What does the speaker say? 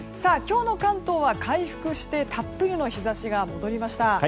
今日の関東は回復してたっぷりの日差しが戻りました。